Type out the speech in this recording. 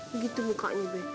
begitu mukanya beh